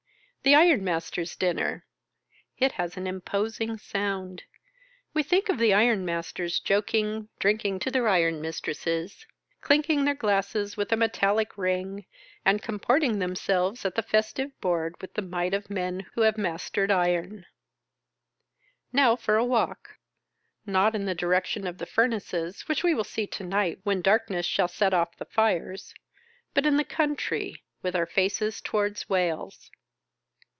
The Iron masters' dinner! It has an imposing sound. We think of the Ironmasters joking, drinking to their Iron mistresses, clinking their glasses with a metallic ring, and comporting them selves at the festive board with the might of men who have mastered Iron, Now for a walk ! Not in the direction of the furnaces, which we will see to night when darkness shall set off the fires ; but in the country, with our faces towards Wales.